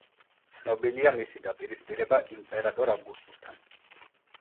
ცნობილია მისი დაპირისპირება იმპერატორ ავგუსტუსთან.